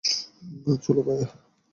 চলো, ভাইয়া।